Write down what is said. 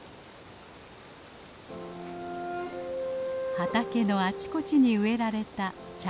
畑のあちこちに植えられたチャノキ。